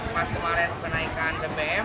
pas kemarin kenaikan bbm